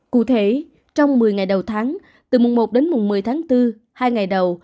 cụ thể trong một mươi ngày đầu tháng từ mùng một đến mùng một mươi tháng bốn hai ngày đầu